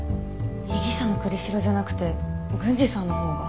被疑者の栗城じゃなくて郡司さんのほうが？